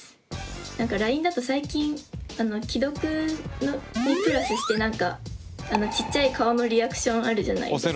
なんかＬＩＮＥだと最近既読にプラスしてなんかちっちゃい顔のリアクションあるじゃないですか。